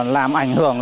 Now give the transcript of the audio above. làm ảnh hưởng